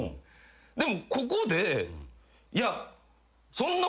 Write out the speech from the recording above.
でもここでいやそんな。